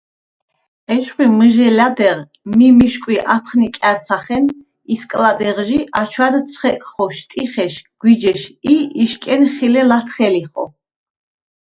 ეშხვი მჷჟელა̈დეღ მი მიშკვი აფხნიკა̈რცა̈ხენ ისკლა̈დეღჟი აჩვადდ ცხეკხო შტიხეშ, გვიჯეშ ი იშკენ ხილე ლა̈თხელიხო.